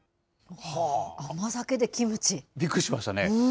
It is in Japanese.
びっくりしましたね。